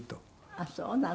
あっそうなの。